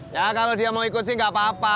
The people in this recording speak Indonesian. ya kalo dia mau ikut sih gapapa